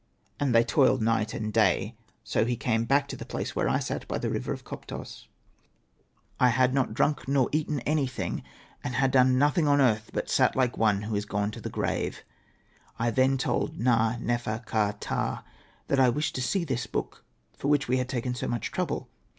And they toiled night and day, and so he came back to the place where I sat by the river of Koptos ; I had not drunk nor Hosted by Google AHURA^S TALE loi eaten anything, and had done nothing on earth, but sat hke one who is gone to the grave. " I then told Na.nefer.ka.ptah that I wished to see this book, for which we had taken so much trouble.